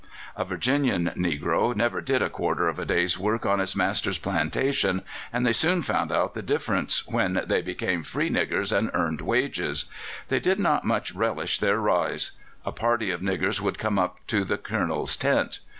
A Virginian negro never did a quarter of a day's work on his master's plantations, and they soon found out the difference when they became free niggers and earned wages. They did not much relish their rise. A party of niggers would come up to the Colonel's tent.